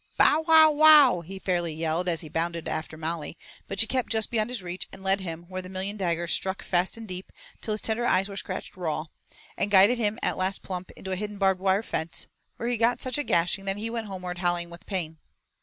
"Bow ow ow," he fairly yelled as he bounded after Molly, but she kept just beyond his reach and led him where the million daggers struck fast and deep, till his tender ears were scratched raw, and guided him at last plump into a hidden barbed wire fence, where he got such a gashing that he went homeward howling with pain.